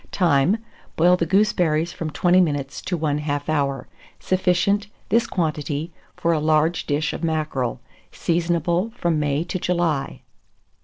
Time. Boil the gooseberries from 20 minutes to 1/2 hour. Sufficient, this quantity, for a large dish of mackerel. Seasonable from May to July.